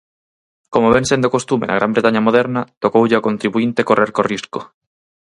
Como vén sendo costume na Gran Bretaña moderna, tocoulle ao contribuínte correr co risco.